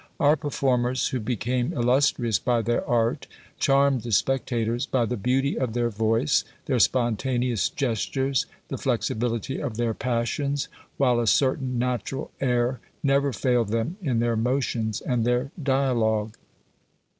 Our performers, who became illustrious by their art, charmed the spectators by the beauty of their voice, their spontaneous gestures, the flexibility of their passions, while a certain natural air never failed them in their motions and their dialogue."